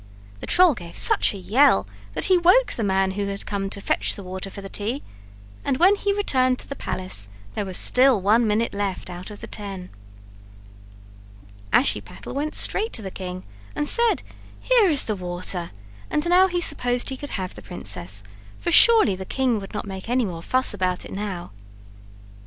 The troll gave such a yell that he woke the man who had come to fetch the water for the tea, and when he returned to the palace there was still one minute left out of the ten. Ashiepattle went straight to the king and said: "Here is the water;" and now he supposed he could have the princess, for surely the king would not make any more fuss about it now.